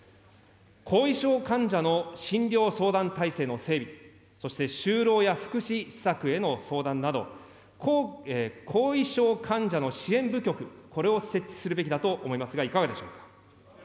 後遺症患者の診療相談体制の整備、そして就労や福祉施策への相談など、後遺症患者の支援部局、これを設置するべきだと思いますが、いかがでしょうか。